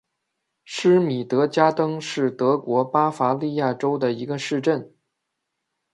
施米德加登是德国巴伐利亚州的一个市镇。